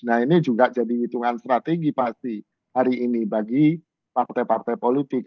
nah ini juga jadi hitungan strategi pasti hari ini bagi partai partai politik